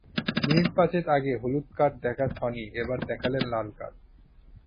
Minute পাঁচেক আগে হলুদ কার্ড দেখা সনি এবার দেখলেন লাল কার্ড।